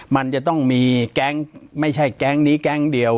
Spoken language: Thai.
มันจะต้องมีแก๊งไม่ใช่แก๊งนี้แก๊งเดียว